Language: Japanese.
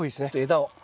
枝を。